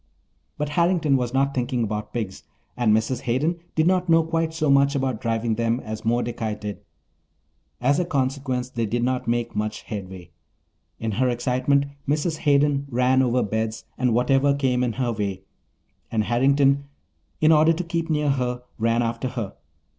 But Harrington was not thinking about pigs, and Mrs. Hayden did not know quite so much about driving them as Mordecai did; as a consequence they did not make much headway. In her excitement Mrs. Hayden ran over beds and whatever came in her way, and Harrington, in order to keep near her, ran after her.